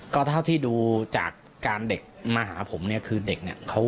ก็เท่าที่ดูจากการเด็กมาหาผมคือเด็ก